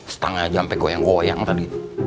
setengah jam sampai goyang goyang tadi